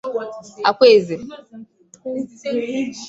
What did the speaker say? Akwaeze